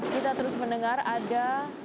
kita terus mendengar ada